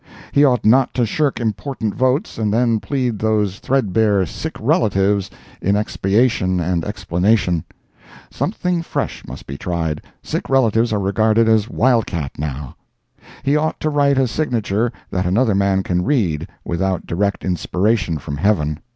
He ought not to shirk important votes and then plead those threadbare "sick relatives" in expiation and explanation. Something fresh must be tried—sick relatives are regarded as wild cat, now. He ought to write a signature that another man can read, without direct inspiration from heaven.